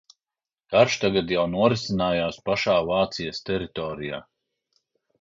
Karš tagad jau norisinājās pašā Vācijas teritorijā.